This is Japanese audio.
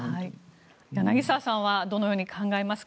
柳澤さんはどのように考えますか？